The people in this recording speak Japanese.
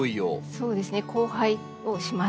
そうですね交配をします。